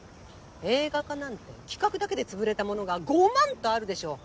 映画化なんて企画だけでつぶれたものがごまんとあるでしょ。